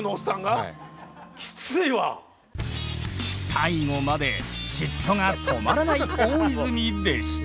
最後まで嫉妬が止まらない大泉でした。